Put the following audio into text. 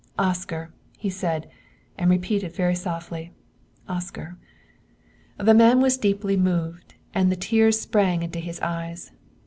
"Oscar!" he said; and repeated, very softly, "Oscar!" The man was deeply moved and the tears sprang into his eyes.